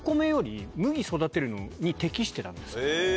育てるのに適してたんです。